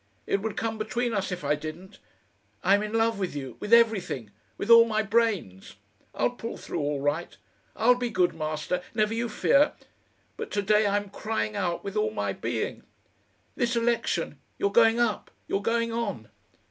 It would come between us if I didn't. I'm in love with you, with everything with all my brains. I'll pull through all right. I'll be good, Master, never you fear. But to day I'm crying out with all my being. This election You're going up; you're going on.